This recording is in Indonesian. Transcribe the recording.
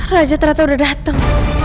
raja telatau udah dateng